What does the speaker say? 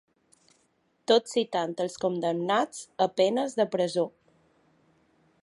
Tot citant els condemnats a penes de presó.